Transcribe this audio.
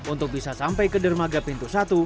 untuk bisa sampai ke dermaga pintu satu